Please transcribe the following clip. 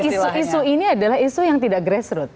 isu isu ini adalah isu yang tidak grassroot